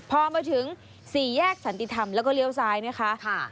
พอมาถึงสี่แยกสันติธรรมแล้วก็เลี้ยวซ้ายนะคะ